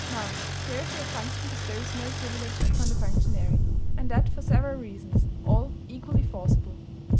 Now, rarity of function bestows no privilege upon the functionary; and that for several reasons, all equally forcible.